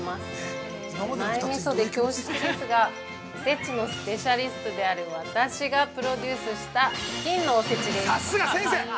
手前みそで恐縮ですが、おせちのスペシャリストである私がプロデュースした「金のおせち」です！